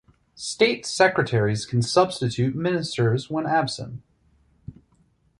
State secretaries can substitute ministers when absent.